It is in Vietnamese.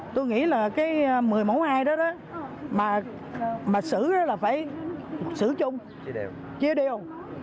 tôi nghĩ là cái một mươi mẫu hai đó mà xử là phải xử chung chia đều